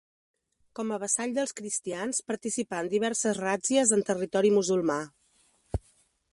Com a vassall dels cristians, participà en diverses ràtzies en territori musulmà.